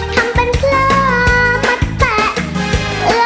ทำเป็นเคลื่อนมันแตะ